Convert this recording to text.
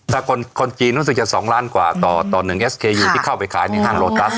ถ้าคนจีนรู้สึกจะ๒ล้านกว่าต่อ๑เอสเคอยู่ที่เข้าไปขายในห้างโลตัส